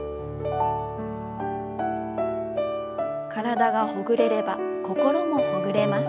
体がほぐれれば心もほぐれます。